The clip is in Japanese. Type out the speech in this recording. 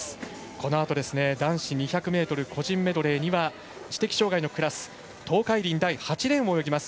このあと男子２００ｍ個人メドレーには知的障がいのクラス東海林大、８レーンを泳ぎます。